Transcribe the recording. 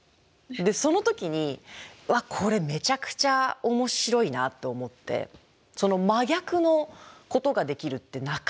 でその時に「わっこれめちゃくちゃ面白いな」と思ってその真逆のことができるってなかなかないじゃないですか。